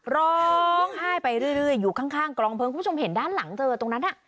ร้องไห้ไปเรื่อยอยู่ข้างกรองเพลิงคุณผู้ชมเห็นด้านหลังเธอตรงนั้น